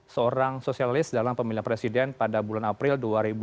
seorang sosialis dalam pemilihan presiden pada bulan april dua ribu dua puluh tiga